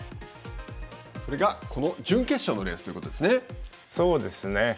それがこの準決勝のそうですね。